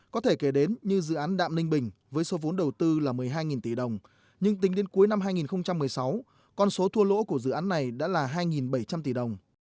có thể kể đến như dự án đạm ninh bình với số vốn đầu tư là một mươi hai tỷ đồng nhưng tính đến cuối năm hai nghìn một mươi sáu con số thua lỗ của dự án này đã là hai bảy trăm linh tỷ đồng